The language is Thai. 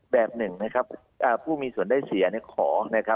แบบหนึ่งผู้มีส่วนได้เสียขอ